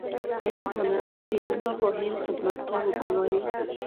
علم هنر دیني مفاهیم خدمت ته وګوماري.